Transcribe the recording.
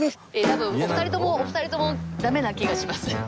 多分お二人ともダメな気がします。